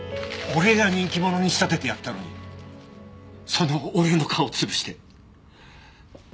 俺が人気者に仕立ててやったのにその俺の顔を潰して。